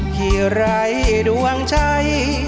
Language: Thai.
ที่ไร้ดวงใจ